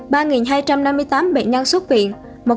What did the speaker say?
ba hai trăm năm mươi tám bệnh nhân xuất viện